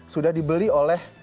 sudah dibeli oleh